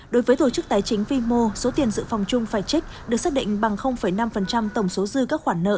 đối với tổ chức tài chính vimo số tiền dự phòng chung phải trích được xác định bằng năm tổng số dư các khoản nợ